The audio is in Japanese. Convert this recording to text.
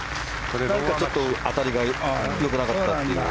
ちょっと当たりがよくなかったという。